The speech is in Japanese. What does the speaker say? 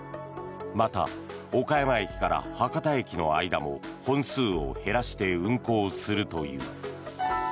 また、岡山駅から博多駅の間も本数を減らして運行するという。